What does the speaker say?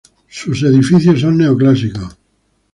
Sus edificios son neoclásicos.